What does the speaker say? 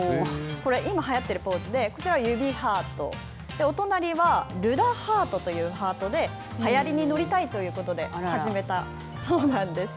これ、今はやってるポーズで、こちら、指ハート、お隣はルダハートというハートで、はやりに乗りたいということで、始めたそうなんです。